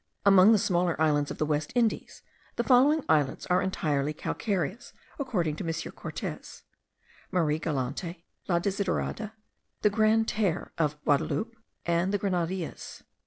Among the smaller islands of the West Indies, the following islets are entirely calcareous, according to M. Cortes: Mariegalante, La Desirade, the Grande Terre of Guadaloupe, and the Grenadillas.